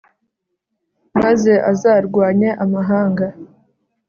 maze azarwanye amahanga